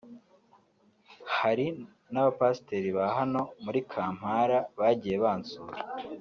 hari n'abapasiteri ba hano muri Kampala bagiye bansura